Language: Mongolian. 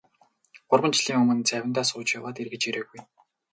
Гурван жилийн өмнө завиндаа сууж яваад эргэж ирээгүй.